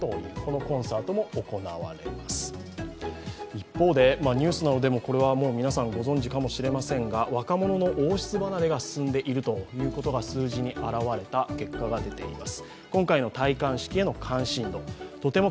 一方で、ニュースなどでもこれはもう皆さんご存じかもしれませんが、若者の王室離れがあるというのが数字に表れています。